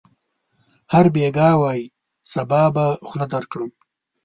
هر بېګا وايي: صبا به خوله درکړم.